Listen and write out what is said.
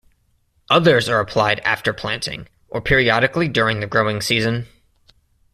Others are applied after planting, or periodically during the growing season.